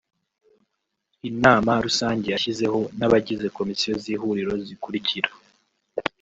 Inama Rusange yashyizeho n’Abagize Komisiyo z’Ihuriro zikurikira